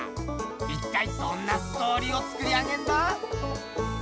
いったいどんなストーリーを作り上げるんだ？